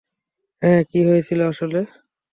হুম, কী হয়েছিল আসলে?